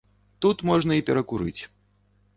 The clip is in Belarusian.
Тут можна і перакурыць.